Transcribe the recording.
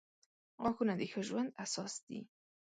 • غاښونه د ښه ژوند اساس دي.